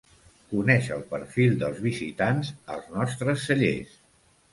Coneix el perfil dels visitants als nostres cellers.